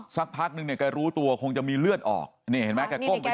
สักพักนึงเนี่ยแกรู้ตัวคงจะมีเลือดออกนี่เห็นไหมแกก้มไป